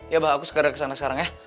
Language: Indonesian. ya ba aku segera kesana sekarang ya